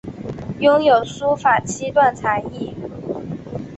拥有书法七段的才艺。